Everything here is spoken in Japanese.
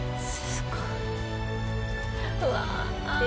すごい。